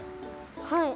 はい。